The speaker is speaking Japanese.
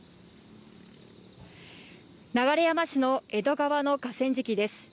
流山市の江戸川の河川敷です。